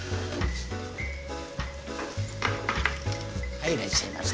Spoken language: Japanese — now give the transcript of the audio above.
はいいらっしゃいませ。